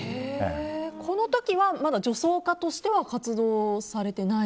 この時はまだ女装家としては活動されてない？